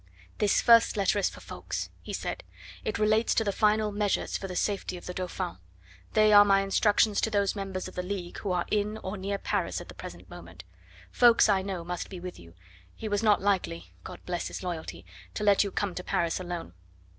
"This first letter is for Ffoulkes," he said. "It relates to the final measures for the safety of the Dauphin. They are my instructions to those members of the League who are in or near Paris at the present moment. Ffoulkes, I know, must be with you he was not likely, God bless his loyalty, to let you come to Paris alone.